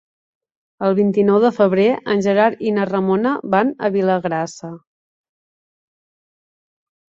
El vint-i-nou de febrer en Gerard i na Ramona van a Vilagrassa.